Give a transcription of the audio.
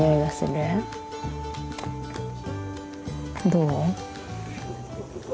どう？